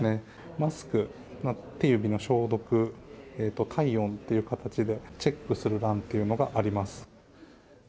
マスク、手指の消毒、体温という形で、チェックする欄というのがあります。